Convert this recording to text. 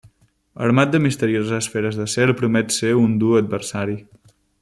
Armat de misterioses esferes d'acer, promet ser un dur adversari.